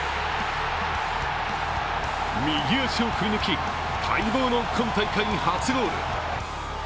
右足を振り抜き、待望の今大会初ゴール。